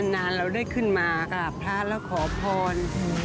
นานเราได้ขึ้นมากราบพระแล้วขอพร